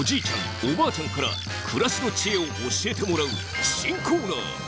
おばあちゃんから暮らしの知恵を教えてもらう新コーナー。